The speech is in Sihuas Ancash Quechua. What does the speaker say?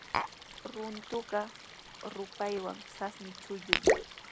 Runtuqa rupaywan sasmi chullun.